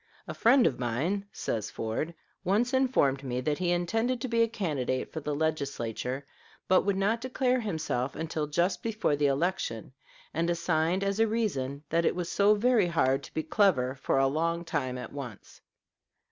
"A friend of mine," says Ford, "once informed me that he intended to be a candidate for the Legislature, but would not declare himself until just before the election, and assigned as a reason that it was so very hard to be clever for a long time at once."